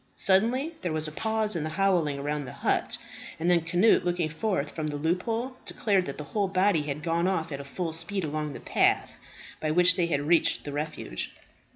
Suddenly there was a pause in the howling around the hut, and then Cnut, looking forth from the loophole, declared that the whole body had gone off at full speed along the path by which they had reached the refuge.